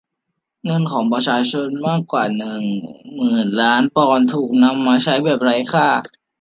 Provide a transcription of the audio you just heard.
เงินของประชาชนมากกว่าหนื่นล้านปอนด์ถูกนำมาใช้แบบไร้ค่า